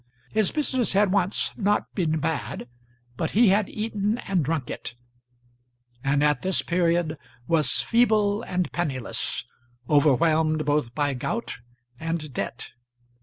His business had once not been bad, but he had eaten and drunk it, and at this period was feeble and penniless, overwhelmed both by gout and debt.